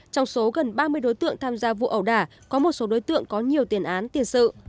trong số gần ba mươi đối tượng tham gia vụ ẩu đả có một số đối tượng có nhiều tiền án tiền sự